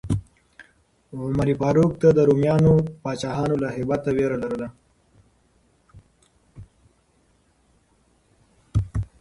عمر فاروق ته د رومیانو پاچاهانو له هیبته ویره لرله.